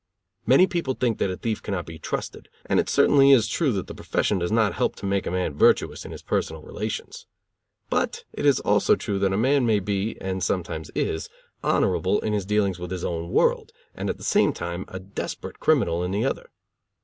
Many people think that a thief can not be trusted; and it certainly is true that the profession does not help to make a man virtuous in his personal relations. But it is also true that a man may be, and sometimes is, honorable in his dealings with his own world, and at the same time a desperate criminal in the other.